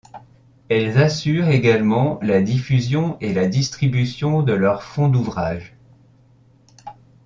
Elles assurent également la diffusion et la distribution de leur fonds d’ouvrages.